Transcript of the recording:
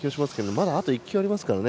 まだあと１球ありますからね